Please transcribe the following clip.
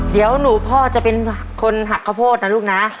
เดี๋ยวหนูพ่อจะเป็นคนหักข้าวโพดนะลูกนะ